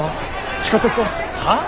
地下鉄は？はあ？